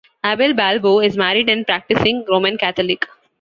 Abel Balbo is married and a practising Roman Catholic.